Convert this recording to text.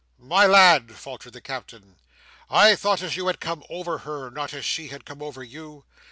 "My lad," faltered the Captain, "I thought as you had come over her; not as she had come over you.